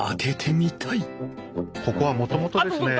ここはもともとですね。